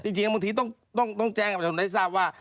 จริงบางทีต้องแจ้งกับมันในที่ทราบว่า